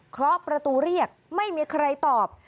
เคาะประตูเรียกไม่มีใครตอบ